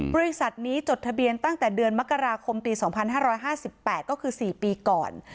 บริษัทนี้จดทะเบียนตั้งแต่เดือนมกราคมปี๒๕๕๘ก็คือ๔ปีก่อน